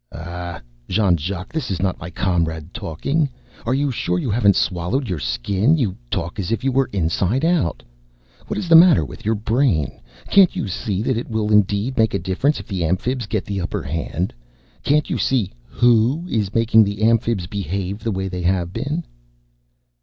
"Ah, Jean Jacques, this is not my comrade talking. Are you sure you haven't swallowed your Skin? You talk as if you were inside out. What is the matter with your brain? Can't you see that it will indeed make a difference if the Amphibs get the upper hand? Can't you see who is making the Amphibs behave the way they have been?"